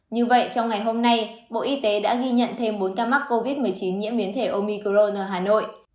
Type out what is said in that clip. như vậy trong ngày hôm nay bộ y tế đã ghi nhận thêm bốn ca mắc covid một mươi chín nhiễm biến thể omicron ở hà nội